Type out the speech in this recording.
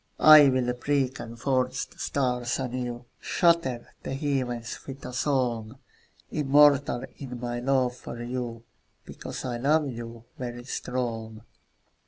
I'll break and forge the stars anew, Shatter the heavens with a song; Immortal in my love for you, Because I love you, very strong.